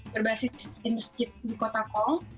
berbasis di masjid di kota kong